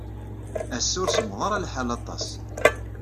Ass-a ur semmeḍ ara lḥal aṭas.